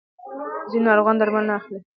ځینې ناروغان درمل نه اخلي.